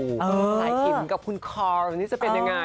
สายขิมกับคุณคอร์นี่จะเป็นยังไง